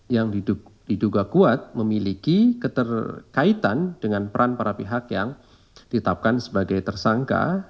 yang diduga kuat memiliki keterkaitan dengan peran para pihak yang ditetapkan sebagai tersangka